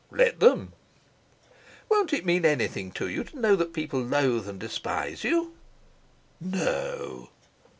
"Let them." "Won't it mean anything to you to know that people loathe and despise you?" "No."